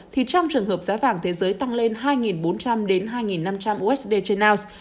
thì trong trường hợp giá vàng thế giới tăng lên hai bốn trăm linh đến hai năm trăm linh usd trên once